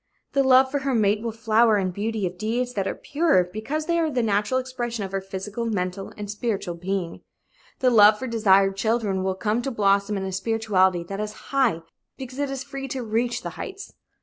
The love for her mate will flower in beauty of deeds that are pure because they are the natural expression of her physical, mental and spiritual being. The love for desired children will come to blossom in a spirituality that is high because it is free to reach the heights.